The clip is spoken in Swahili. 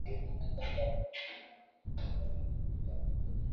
Mapele yenye ukubwa tofauti tofauti